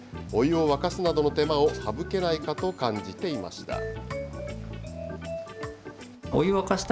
お湯を沸かすなどの手間を省けないかと感じていました。